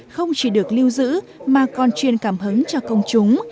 không chỉ được lưu giữ mà còn truyền cảm hứng cho công chúng